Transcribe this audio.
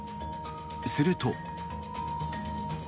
すると。